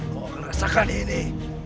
kau akan merasakan ini